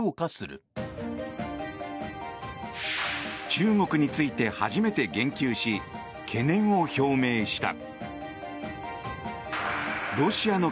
中国について初めて言及し懸念を表明した。